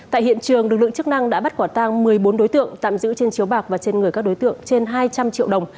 tại hiện trường lực lượng chức năng đã bắt quả tang một mươi bốn đối tượng tạm giữ trên chiếu bạc và trên người các đối tượng trên hai trăm linh triệu đồng